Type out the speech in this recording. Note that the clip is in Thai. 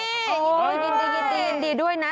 โอ้ยยินดีดีด้วยนะ